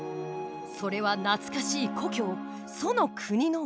それは懐かしい故郷楚の国の歌。